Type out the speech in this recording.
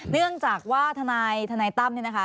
เนื่องจากว่าทนายตั้มเนี่ยนะคะ